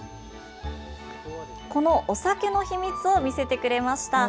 このお酒の秘密を見せてくれました。